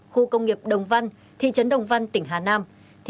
khu công nghiệp đồng văn thị trấn đồng văn tỉnh hà nam